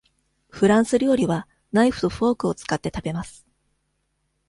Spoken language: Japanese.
フランス料理はナイフとフォークを使って食べます。